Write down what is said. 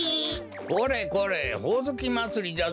これこれほおずきまつりじゃぞ。